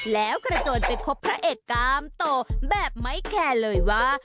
แล้วกระโจนไปคบพระเอกกามโตแบบไม่แคร์เลยว่า